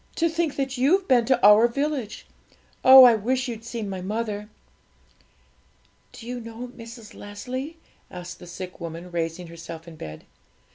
To think that you've been to our village! Oh, I wish you'd seen my mother!' 'Do you know Mrs. Leslie?' asked the sick woman, raising herself in bed.